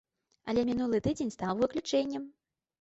Але мінулы тыдзень стаў выключэннем.